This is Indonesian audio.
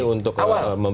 untuk membebas statement